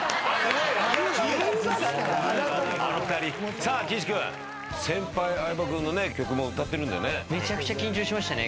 さあ岸君先輩相葉君の曲も歌ってるんだよね。